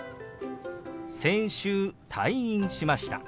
「先週退院しました」。